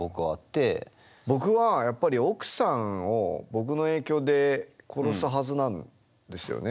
僕はやっぱり奥さんを僕の影響で殺すはずなんですよね。